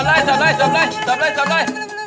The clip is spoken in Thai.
เสิร์ฟเลยเสิร์ฟเลยเสิร์ฟเลยเสิร์ฟเลยเสิร์ฟเลย